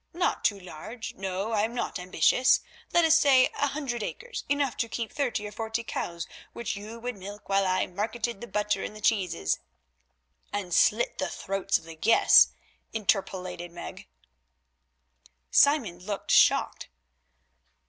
Not too large; no, I am not ambitious; let us say a hundred acres, enough to keep thirty or forty cows, which you would milk while I marketed the butter and the cheeses——" "And slit the throats of the guests," interpolated Meg. Simon looked shocked.